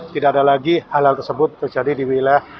tidak ada lagi hal hal tersebut terjadi di wilayah